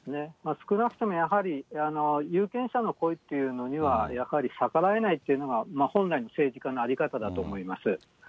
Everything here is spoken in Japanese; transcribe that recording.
少なくともやはり、有権者の声っていうのには、やはり逆らえないっていうのが、本来の政治家の在り方だと思います。